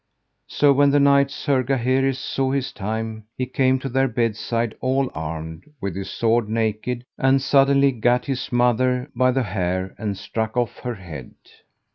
So when the knight, Sir Gaheris, saw his time, he came to their bedside all armed, with his sword naked, and suddenly gat his mother by the hair and struck off her head.